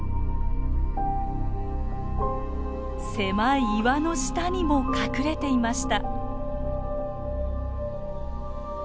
狭い岩の下にも隠れていました。